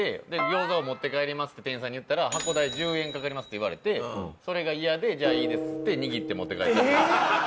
「餃子を持って帰ります」って店員さんに言ったら「箱代１０円かかります」って言われてそれが嫌で「じゃあいいです」って握って持って帰った。